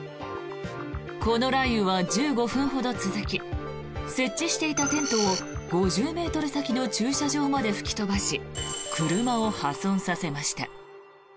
この雷雨は１５分ほど続き設置していたテントを５０ｍ先の駐車場まで吹き飛ばし車を破損させました。